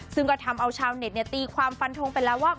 ซึ่งก็ทำเอาชาวเน็ตตีความฟันทงไปแล้วว่า